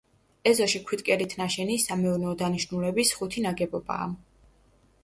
ეზოში ქვითკირით ნაშენი, სამეურნეო დანიშნულების, ხუთი ნაგებობაა.